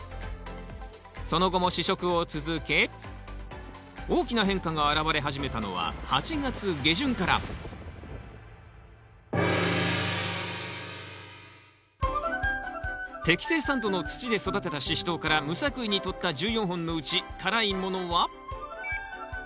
その後も試食を続け大きな変化があらわれ始めたのは８月下旬から適正酸度の土で育てたシシトウから無作為にとった１４本のうち辛いものは２本。